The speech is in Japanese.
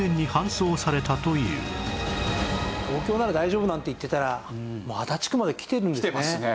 東京なら大丈夫なんて言ってたらもう足立区まで来てるんですね。来てますね。